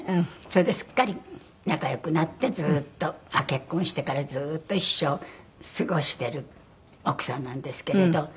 それですっかり仲良くなって結婚してからずっと一緒に過ごしてる奥さんなんですけれど。